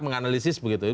menganalisis begitu ya